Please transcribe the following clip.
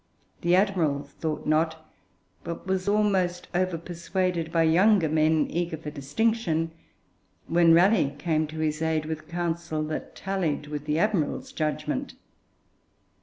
The Admiral thought not, but was almost over persuaded by younger men, eager for distinction, when Raleigh came to his aid with counsel that tallied with the Admiral's judgment.